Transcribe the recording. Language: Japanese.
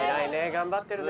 頑張ってるね。